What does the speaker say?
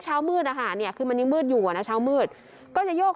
เช้ามืดอาหารเนี่ยคือมันยังมืดอยู่อ่ะนะเช้ามืดก็จะโยก